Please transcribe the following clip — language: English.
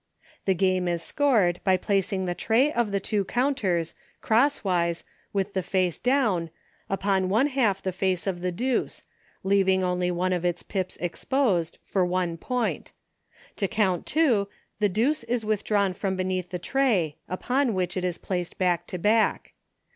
The game is scored by placing the tray of the two counters, crosswise, with the face down, upon one half the face of the deuce, leaving only one of its pips exposed, for one point. To count two, the deuce is with drawn from beneath the tray, upon which it is placed back to back.